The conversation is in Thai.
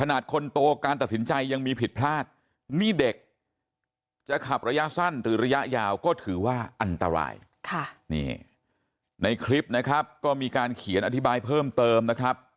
อันตรายค่ะนี่ในคลิปนะครับก็มีการเขียนอธิบายเพิ่มเติมนะครับ